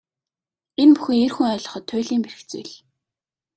Энэ бүхэн эр хүн ойлгоход туйлын бэрх зүйл.